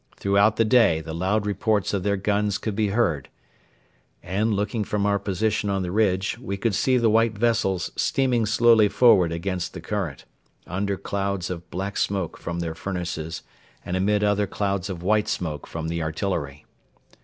Throughout the day the loud reports of their guns could be heard, and, looking from our position on the ridge, we could see the white vessels steaming slowly forward against the current, under clouds of black smoke from their furnaces and amid other clouds of white smoke from the artillery.